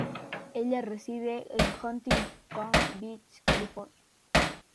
Ella reside en Huntington Beach, California.